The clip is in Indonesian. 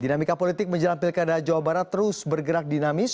dinamika politik menjelang pilkada jawa barat terus bergerak dinamis